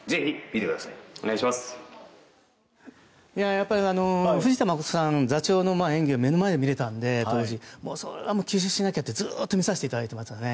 やっぱり藤田まことさん、座長の演技を目の前で見れたのでそれは吸収しなきゃってずっと見させていただいていました。